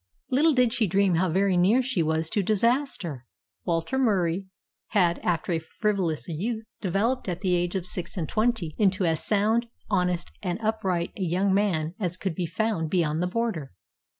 Little did she dream how very near she was to disaster. Walter Murie had, after a frivolous youth, developed at the age of six and twenty into as sound, honest, and upright a young man as could be found beyond the Border.